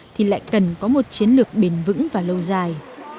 thì lại cần có một chiến lược bền vững và lâu dài